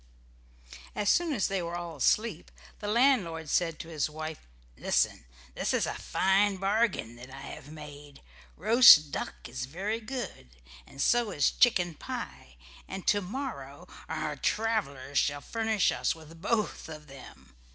As soon as they were all asleep the landlord said to his wife, "Listen! This is a fine bargain that I have made. Roast duck is very good, and so is chicken pie, and to morrow our travelers shall furnish us with both of them.